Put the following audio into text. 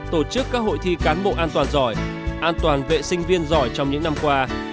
tổ chức các hội thi cán bộ an toàn giỏi an toàn vệ sinh viên giỏi trong những năm qua